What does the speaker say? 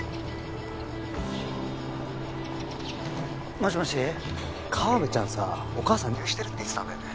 もしもし河部ちゃんさお母さん入院してるって言ってたんだよね？